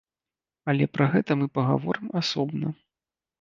Але пра гэта мы пагаворым асобна.